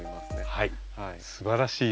はい。